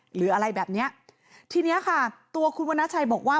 หรืออะไรแบบเนี้ยทีเนี้ยค่ะตัวคุณวรรณชัยบอกว่า